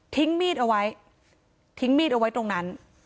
มีดเอาไว้ทิ้งมีดเอาไว้ตรงนั้น